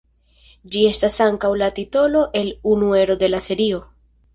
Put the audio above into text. Ĝi estas ankaŭ la titolo el unu ero de la serio.